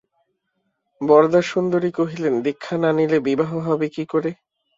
বরদাসুন্দরী কহিলেন, দীক্ষা না নিলে বিবাহ হবে কী করে?